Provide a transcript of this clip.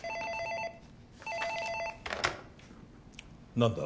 何だ？